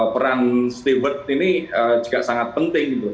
peran steward ini juga sangat penting gitu